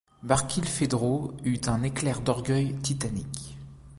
Barkilphedro eut un éclair d’orgueil titanique.